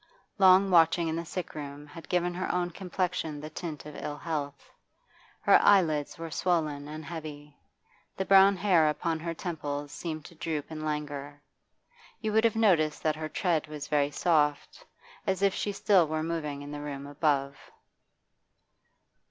Long watching in the sick room had given her own complexion the tint of ill health; her eyelids were swollen and heavy; the brown hair upon her temples seemed to droop in languor. You would have noticed that her tread was very soft, as if she still were moving in the room above.